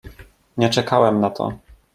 "Nie czekałem na to."